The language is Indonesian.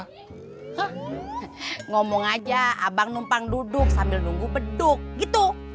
hmm ngomong aja abang numpang duduk sambil nunggu beduk gitu